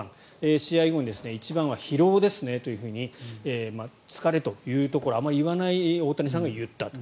試合後に一番は疲労ですねというふうに疲れとあまり言わない大谷さんが言った。